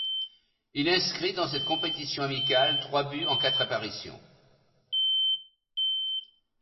Il inscrit dans cette compétition amicale trois buts en quatre apparitions.